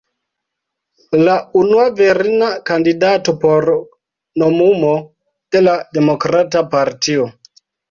La unua virina kandidato por nomumo de la demokrata partio.